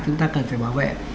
chúng ta cần phải bảo vệ